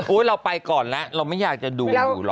เราไปก่อนแล้วเราไม่อยากจะดูหรอ